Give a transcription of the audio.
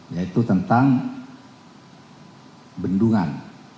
yaitu tentang bendungan